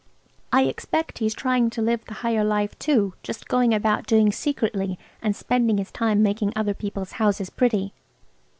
I expect he's trying to live the higher life, too–just going about doing secretly, and spending his time making other people's houses pretty."